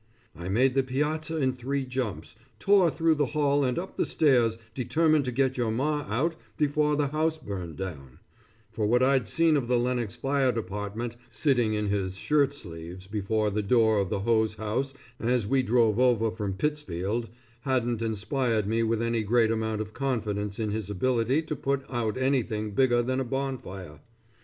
I made the piazza in three jumps, tore through the hall and up the stairs determined to get your Ma out before the house burned down, for what I'd seen of the Lenox Fire Department, sitting in his shirt sleeves before the door of the hose house as we drove over from Pittsfield, hadn't inspired me with any great amount of confidence in his ability to put out anything bigger than a bonfire.